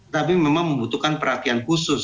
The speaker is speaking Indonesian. tapi memang membutuhkan perhatian khusus